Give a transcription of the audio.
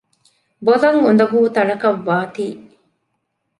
ބޮލަށް އުދަގޫ ތަނަކަށް ވާތީ